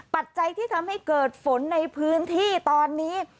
ปัจจัยที่ทำให้เกิดฝนในพื้นที่ตอนนี้